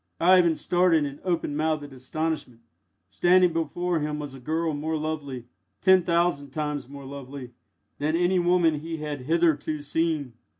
Ivan started in open mouthed astonishment. Standing before him was a girl more lovely ten thousand times more lovely than any woman he had hitherto seen.